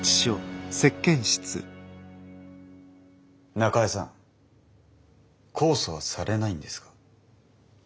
中江さん控訴はされないんですか？